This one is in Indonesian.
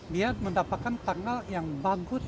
dia mendapatkan tanggal yang bagus